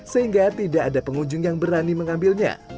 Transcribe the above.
sehingga tidak ada pengunjung yang berani mengambilnya